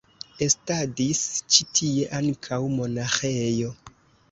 Estadis ĉi tie ankaŭ monaĥejo.